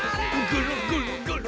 ぐるぐるぐる。